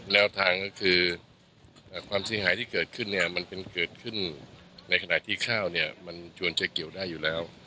แนวทางคือความเสียหายที่เกิดขึ้นมันเป็นเกิดขึ้นในขณะที่ข้าวมันจวนใช้เกี่ยวได้อยู่แล้ว